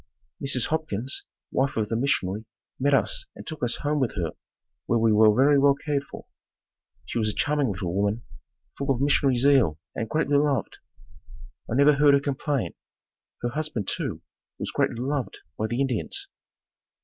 Mrs. Hopkins, wife of the missionary, met us and took us home with her where we were very well cared for. She was a charming little woman, full of missionary zeal and greatly loved. I never heard her complain. Her husband, too, was greatly beloved by the Indians.